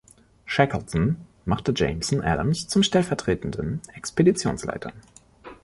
Shackleton machte Jameson Adams zum stellvertretenden Expeditionsleiter.